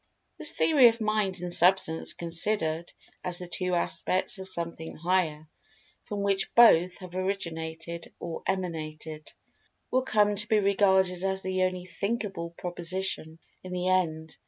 This theory of Mind and Substance considered as the two aspects of Something Higher, from which both have originated or emanated, will come to be regarded as the only "thinkable" proposition, in the end.